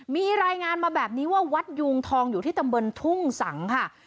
มีรายงานมาแบบนี้ว่าวัดยูงทองอยู่ที่ตำบลทุ่งสังค่ะ